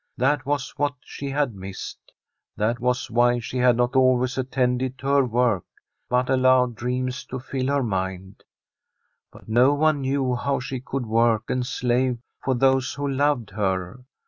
That was what she had missed. That was why she had not always attended to her work, but allowed dreams to fill her mind. But no one knew how she could work and slave for those who loved her.